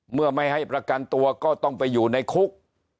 เมื่อไม่ให้ประกันตัวก็ต้องไปอยู่ในคุก